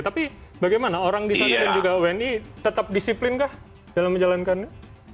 tapi bagaimana orang di sana dan juga wni tetap disiplin kah dalam menjalankannya